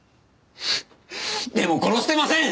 でも殺してません！